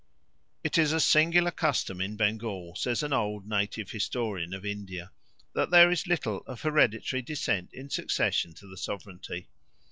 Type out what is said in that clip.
"It is a singular custom in Bengal," says an old native historian of India, "that there is little of hereditary descent in succession to the sovereignty.